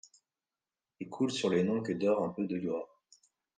Et coule sur les noms que dore un peu de gloire